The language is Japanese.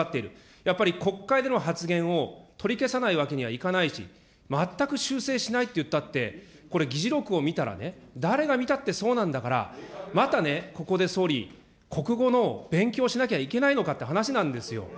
やっぱり国会での発言を取り消さないわけにはいかないし、全く修正しないっていったって、これ議事録を見たらね誰が見たってそうなんだから、またね、ここで総理、国語の勉強をしなきゃいけないのかっていう話なんですよ。